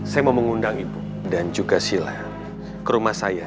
saya mau mengundang ibu dan juga sila ke rumah saya